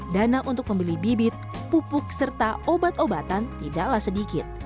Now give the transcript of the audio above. dana untuk membeli bibit pupuk serta obat obatan tidaklah sedikit